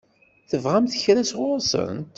Tebɣamt kra sɣur-sent?